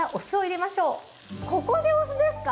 ここでお酢ですか？